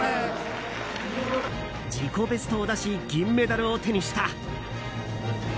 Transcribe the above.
自己ベストを出し銀メダルを手にした。